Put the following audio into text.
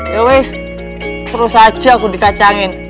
ya wis terus aja aku dikacangin